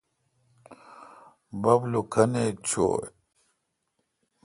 بب لو کھن ایچ چویہ۔